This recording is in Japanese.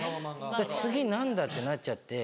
次何だ？ってなっちゃって。